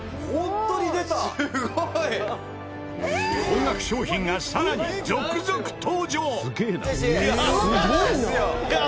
高額商品がさらに続々登場！